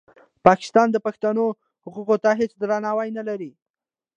پاکستان د پښتنو حقوقو ته هېڅ درناوی نه لري.